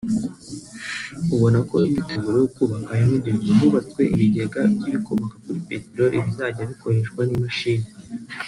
ubona ko imyiteguro yo kubaka yanogejwe; hubatswe ibigega by’ibikomoka kuri peteroli bizajya bikoreshwa n’imashini